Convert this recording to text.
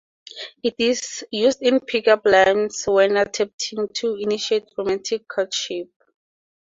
It is used in pick-up lines when attempting to initiate romantic courtship.